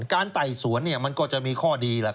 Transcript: การไต่สวนมันก็จะมีข้อดี